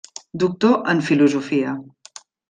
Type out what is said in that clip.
Doctor en filosofia.